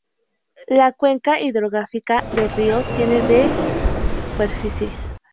La cuenca hidrográfica del río tiene de superficie.